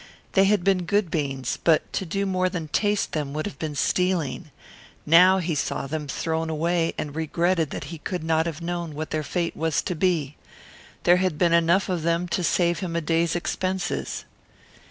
They had been good beans, but to do more than taste them would have been stealing. Now he saw them thrown away and regretted that he could not have known what their fate was to be. There had been enough of them to save him a day's expenses.